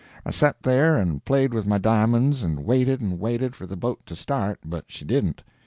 I set there and played with my di'monds and waited and waited for the boat to start, but she didn't.